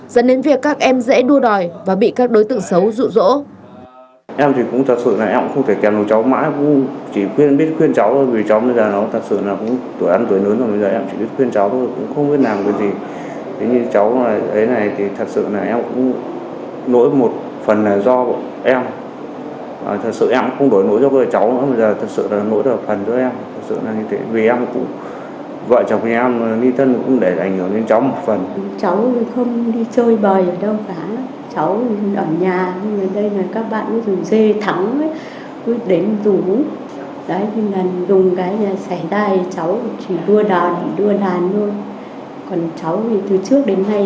dẫn đến việc các em dễ đua đòi và bị các đối tượng xấu rụ rỗ